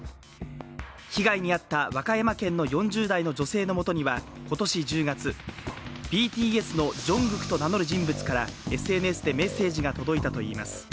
被害に遭った和歌山県の４０代の女性のもとには今年１０月、ＢＴＳのＪＵＮＧＫＯＯＫと名乗る人物から、ＳＮＳでメッセージが届いたといいます。